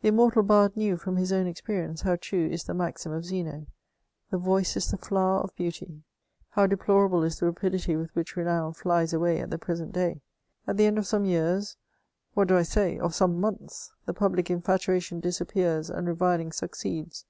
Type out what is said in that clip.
The immortal bard knew, firam his own experience, how true is the maxim of Zeno :*^ The voice is the flower of beauty. How deplorable is the rapidity with which renown flies away at the present day ! At the end of some years, what do I say ? of some months, the public in&tuation disappears, and reviling succeeds.